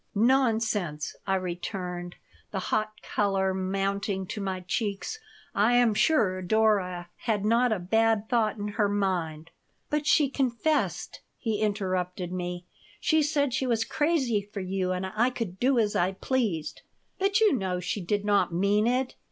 "Nonsense!" I returned, the hot color mounting to my cheeks. "I am sure Dora had not a bad thought in her mind " "But she confessed," he interrupted me. "She said she was crazy for you and I could do as I pleased." "But you know she did not mean it.